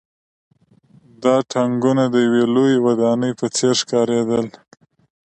دا ټانکونه د یوې لویې ودانۍ په څېر ښکارېدل